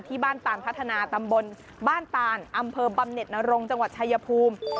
ตานพัฒนาตำบลบ้านตานอำเภอบำเน็ตนรงจังหวัดชายภูมิ